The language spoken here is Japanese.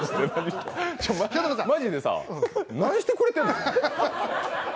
マジでさ、何してくれてんの？